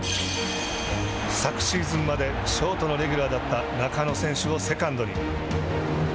昨シーズンまでショートのレギュラーだった中野選手をセカンドに。